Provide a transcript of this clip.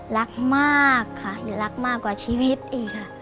รักมากค่ะรักมากกว่าชีวิตอีกค่ะ